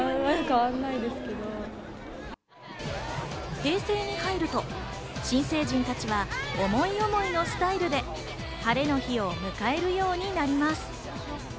平成に入ると新成人たちは思い思いのスタイルでハレの日を迎えるようになります。